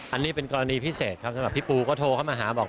อันนี้เป็นกรณีพิเศษครับสำหรับพี่ปูก็โทรเข้ามาหาบอก